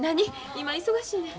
今忙しいねん。